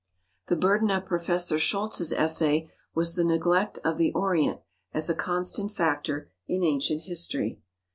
The burden of Prof. Scholz's essay was the neglect of the Orient as a constant factor in Ancient History.